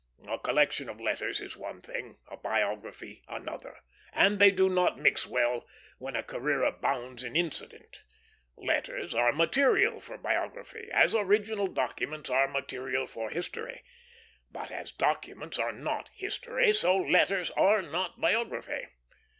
A collection of letters is one thing, a biography another; and they do not mix well when a career abounds in incident. Letters are material for biography, as original documents are material for history; but as documents are not history, so letters are not biography.